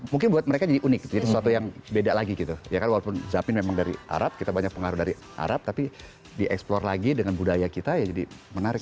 mungkin buat mereka jadi unik jadi sesuatu yang beda lagi gitu ya kan walaupun zapin memang dari arab kita banyak pengaruh dari arab tapi dieksplor lagi dengan budaya kita ya jadi menarik